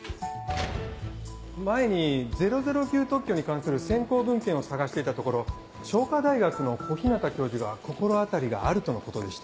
前に００９特許に関する先行文献を探していたところ松果大学の小日向教授が心当たりがあるとのことでして。